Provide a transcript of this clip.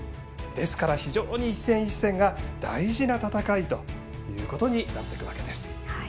ですから、非常に一戦一戦が大事な戦いということになってくるわけです。